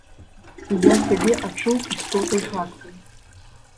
І я сябе адчуў істотай гадкай.